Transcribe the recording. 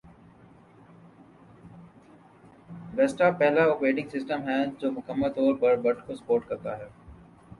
vista پہلا operating system ہے جو مکمل طور پر بٹ کو سپورٹ کرتا ہے